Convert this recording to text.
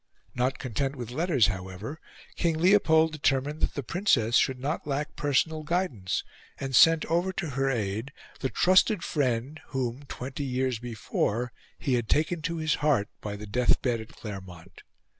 Not content with letters, however, King Leopold determined that the Princess should not lack personal guidance, and sent over to her aid the trusted friend whom, twenty years before, he had taken to his heart by the death bed at Claremont.